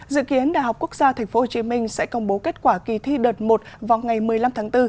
dự kiến đại học quốc gia tp hcm sẽ công bố kết quả kỳ thi đợt một vào ngày một mươi năm tháng bốn